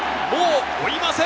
追いません。